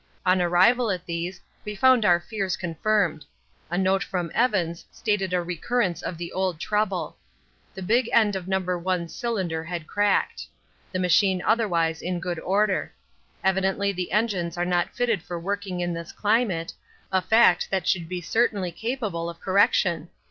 On arrival at these we found our fears confirmed. A note from Evans stated a recurrence of the old trouble. The big end of No. 1 cylinder had cracked, the machine otherwise in good order. Evidently the engines are not fitted for working in this climate, a fact that should be certainly capable of correction.